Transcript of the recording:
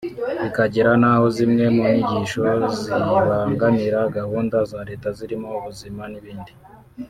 bikagera n’aho zimwe mu nyigisho zibangamira gahunda za Leta zirimo n’ubuzima n’ibindi